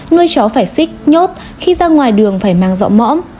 nuôi chó phải xích nhốt khi ra ngoài đường phải mang dọ mõm